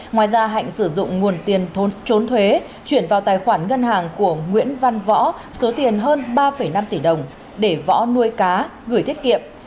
ngoài ra hạnh sử dụng nguồn tiền trốn thuế chuyển vào tài khoản ngân hàng của nguyễn văn võ số tiền hơn ba năm tỷ đồng để võ nuôi cá gửi tiết kiệm